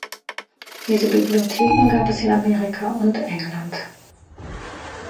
Diese Bibliotheken gab es in Amerika und England.